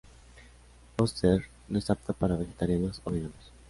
Foster's no es apta para Vegetarianos o veganos.